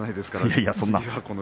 いやいやそんな。